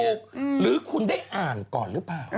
หรือคุณได้อ่านก่อนหรือเปล่า